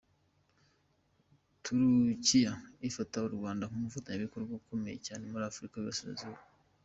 Turukiya ifata u Rwanda nk’umufatanyabikorwa ukomeye cyane muri Afurika y’Uburasirazuba.